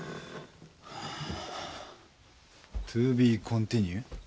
トゥービーコンティニュー？